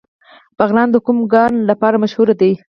بغلان د کوم کان لپاره مشهور دی؟